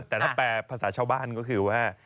แต่ถ้าแปลภาษาชาวบ้านก็คือว่า